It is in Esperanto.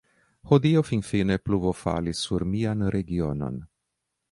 Hodiaŭ, finfine, pluvo falis sur mian regionon.